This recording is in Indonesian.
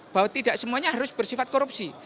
bahwa tidak semuanya harus bersifat korupsi